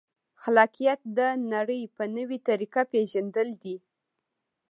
خلاقیت د نړۍ په نوې طریقه پېژندل دي.